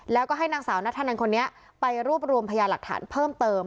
แล้วก็ให้นางสาวนัทธนันคนนี้ไปรวบรวมพยาหลักฐานเพิ่มเติม